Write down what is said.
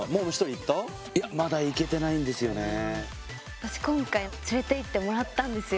私今回連れていってもらったんですよ。